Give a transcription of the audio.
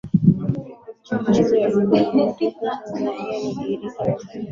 na uenezi wa lugha ya kimataifa Kiyunani yaani Kigiriki cha zamani